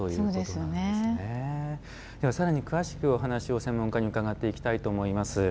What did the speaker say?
さらに詳しくお話を専門家に伺っていきたいと思います。